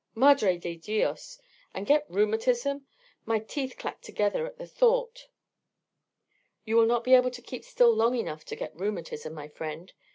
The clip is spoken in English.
"Madre de dios! And get rheumatism? My teeth clack together at the thought." "You will not be able to keep still long enough to get rheumatism, my friend.